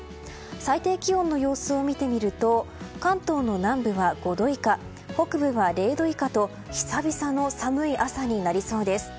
最低気温の様子を見てみると関東の南部は５度以下北部は０度以下と久々の寒い朝になりそうです。